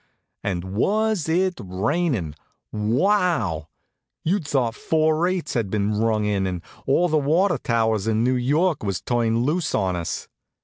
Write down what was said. And was it rainin'? Wow! You'd thought four eights had been rung in and all the water towers in New York was turned loose on us.